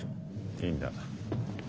いいんだ。